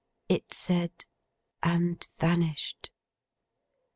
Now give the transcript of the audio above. it said. And vanished.